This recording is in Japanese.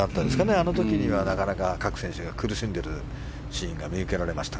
あの時にはなかなか各選手が苦しんでいるシーンが見受けられました。